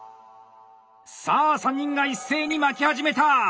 さあ３人が一斉に巻き始めた！